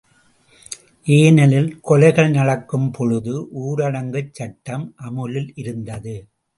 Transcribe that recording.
ஏனெனில் கொலைகள் நடக்கும் பொழுது ஊரடங்குச் சட்டம் அமுலில் இருந்தது.